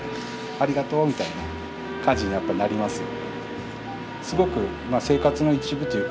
ありがとうみたいな感じにやっぱなりますよ。